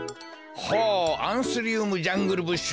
ほうアンスリウムジャングルブッシュか。